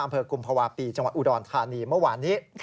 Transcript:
กุมภาวะปีจังหวัดอุดรธานีเมื่อวานนี้